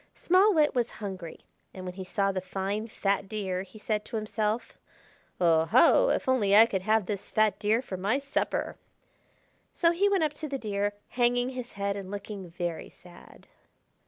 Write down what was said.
Small Wit was hungry, and when he saw the fine fat Deer he said to himself: "Oho! if only I could have this fat Deer for my supper!" So he went up to the Deer, hanging his head and looking very sad.